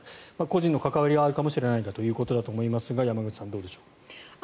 個人の関わりはあるかもしれないんだということだと思いますが山口さん、どうでしょう。